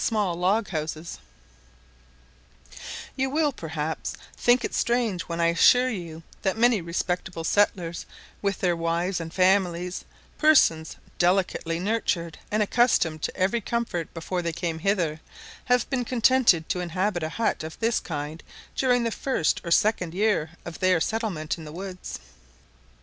[Illustration: Log house] You will, perhaps, think it strange when I assure you that many respectable settlers, with their wives and families, persons delicately nurtured, and accustomed to every comfort before they came hither, have been contented to inhabit a hut of this kind during the first or second year of their settlement in the woods.